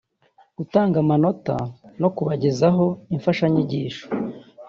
gutanga amanota no kubagezaho imfashanyigisho